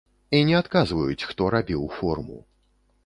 І не адказваюць, хто рабіў форму.